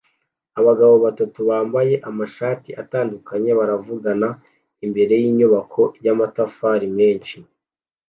Abagabo batatu bambaye amashati atandukanye baravugana imbere yinyubako yamatafari menshi